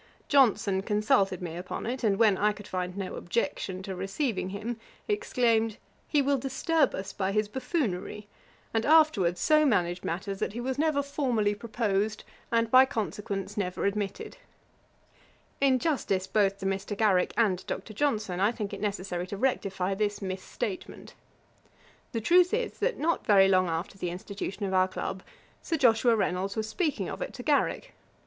Johnson consulted me upon it; and when I could find no objection to receiving him, exclaimed, "He will disturb us by his buffoonery;" and afterwards so managed matters that he was never formally proposed, and, by consequence, never admitted.' [Page 481: Grainger's Sugar Cane. Ætat 55.] In justice both to Mr. Garrick and Dr. Johnson, I think it necessary to rectify this mis statement. The truth is, that not very long after the institution of our club, Sir Joshua Reynolds was speaking of it to Garrick.